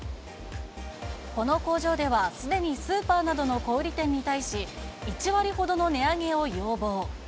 この工場では、すでにスーパーなどの小売り店に対し、１割ほどの値上げを要望。